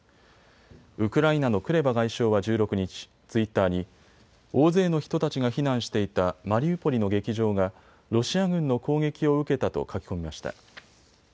ウクライナのクレバ外相は１６日、ツイッターに大勢の人たちが避難していたマリウポリの劇場がロシア軍の攻撃を受けたと書き込みました。